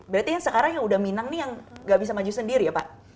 berarti yang sekarang yang udah minang nih yang gak bisa maju sendiri ya pak